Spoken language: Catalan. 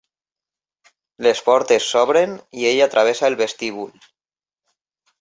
Les portes s'obren i ella travessa el vestíbul.